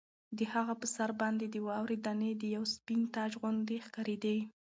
د هغه په سر باندې د واورې دانې د یوه سپین تاج غوندې ښکارېدې.